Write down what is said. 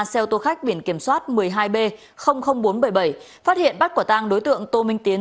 xe ô tô khách biển kiểm soát một mươi hai b bốn trăm bảy mươi bảy phát hiện bắt quả tang đối tượng tô minh tiến